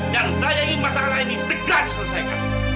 dan saya ingin masalah ini segera diselesaikan